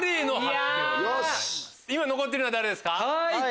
今残ってるのは誰ですか？